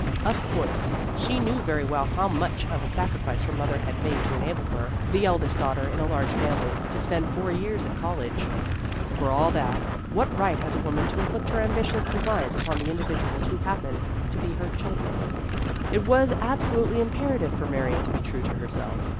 Of course, she knew very well how much of a sacrifice her mother had made to enable her, the eld est daughter in a large family, to spend four years at college. For all that, what right has a woman to inflict her ambitious designs upon the individuals who happen The Career of a Radical 123 to be her children? It was absolutely imperative for Marion to be true to her self.